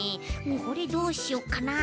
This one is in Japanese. これどうしよっかな。